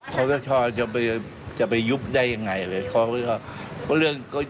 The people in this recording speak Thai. ครอสเตอร์ชอจะไปยุบได้อย่างไรเลย